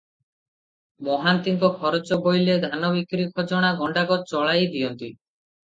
ମହାନ୍ତିଙ୍କ ଖରଚ ବୋଇଲେ, ଧାନ ବିକି ଖଜଣା ଗଣ୍ଡାକ ଚଳାଇ ଦିଅନ୍ତି ।